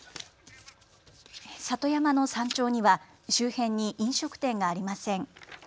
里山の山頂には周辺に飲食店がありません。